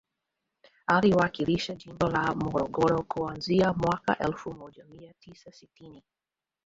Aliwakilisha jimbo la Morogoro kuanzia mwaka elfu moja mia tisa sitini